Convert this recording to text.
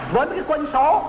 với mấy quân số